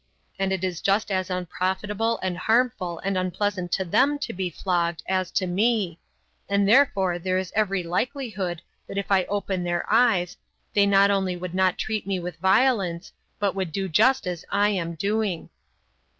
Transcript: And it is just as unprofitable and harmful and unpleasant to them to be flogged as to me, and therefore there is every likelihood that if I open their eyes they not only would not treat me with violence, but would do just as I am doing.